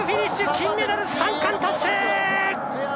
金メダル３冠達成！